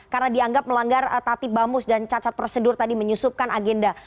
karena dianggap melanggar tatib bamus dan cacat prosedur tadi menyusupkan agenda